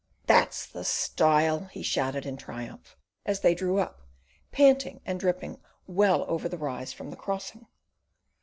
"That's the style!" he shouted in triumph, as they drew up, panting and dripping well over the rise from the crossing.